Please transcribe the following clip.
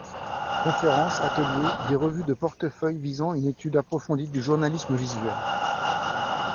Conférences, ateliers, des revues de portefeuille visant une étude approfondie du journalisme visuel.